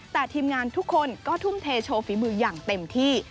แต่ทีมงานทุกคนก็ทุ่มเทโชว์ฝีมืออย่างเต็มที่